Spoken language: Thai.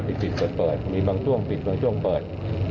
มีจุดเปิดมีบางช่วงปิดบางช่วงเปิด